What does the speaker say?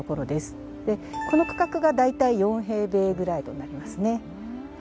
この区画が大体４平米ぐらいとなりますね。